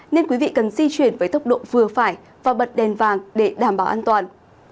nên quý vị cần di chuyển với tốc độ vừa phải và bật đèn vàng để đảm bảo an toàn